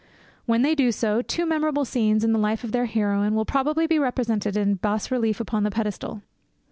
When they do so, two memorable scenes in the life of their heroine will probably be represented in bas relief upon the pedestal.